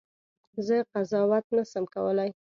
زه قضاوت نه سم کولای.